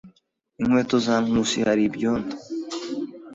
Inkweto za Nkusi hari ibyondo.